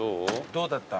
どうだった？